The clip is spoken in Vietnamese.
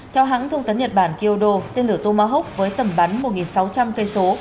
theo hãng thông tấn nhật bản kyodo tên lửa tomahawk với tầm bắn một sáu trăm linh cây số